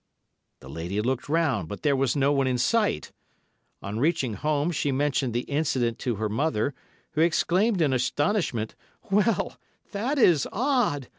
The lady looked round, but there was no one in sight. On reaching home, she mentioned the incident to her mother, who exclaimed in astonishment, "Well, that is odd!